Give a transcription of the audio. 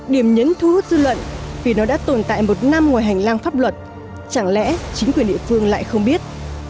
điểm nhấn thu hút dư luận vì nó đã tồn tại một năm ngoài hành lang pháp luật chẳng lẽ chính quyền địa phương lại không biết